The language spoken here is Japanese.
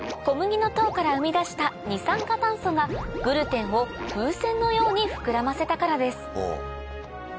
小麦の糖から生み出した二酸化炭素がグルテンを風船のようにふくらませたからです